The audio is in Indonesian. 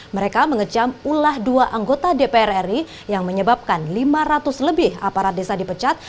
mereka mengecam ulah dua anggota dpr ri yang menyebabkan lima ratus lebih aparat desa dipecat